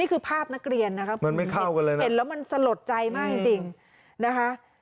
นี่คือภาพนักเรียนนะคะมันเห็นแล้วมันสลดใจมากจริงนะคะ